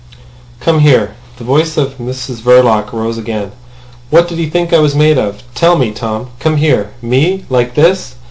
"Come here." The voice of Mrs Verloc rose again. "What did he think I was made of? Tell me, Tom. Come here! Me! Like this!